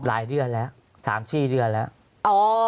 หลายเดือนแล้ว๓๔เดือนแล้ว